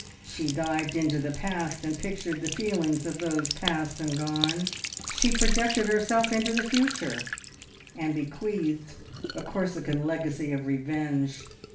She dived into the past, and pictured the feelings of those past and gone; she projected herself into the future, and bequeathed a Corsican legacy of revenge.